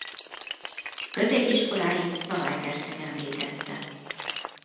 Középiskoláit Zalaegerszegen végezte.